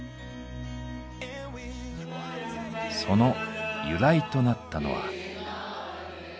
その由来となったのは。